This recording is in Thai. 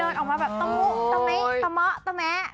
เดินออกมาแบบตะหมึ้กตะแม๊